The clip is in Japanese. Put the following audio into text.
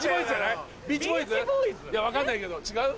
いや分かんないけど違う？